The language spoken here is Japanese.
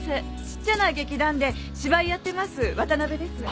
ちっちゃな劇団で芝居やってます渡辺です。